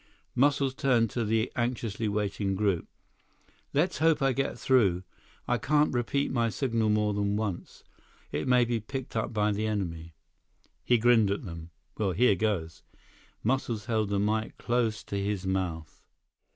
Muscles turned to the anxiously waiting group. "Let's hope I get through. I can't repeat my signal more than once. It may be picked up by the enemy." He grinned at them. "Well, here goes." Muscles held the mike close to his mouth.